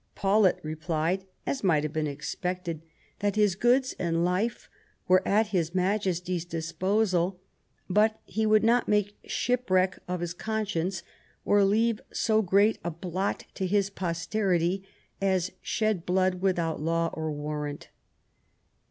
Paulet replied, as might have been expected, that his goods and life were at Her Majesty's disposal, but he would not make shipwreck of his conscience, or leave so great a blot to his posterity as shed blood without law or warrant